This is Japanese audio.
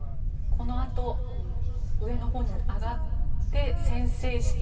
このあと、上のほうに上がって宣誓式。